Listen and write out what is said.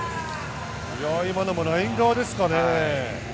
今のもライン側ですかね。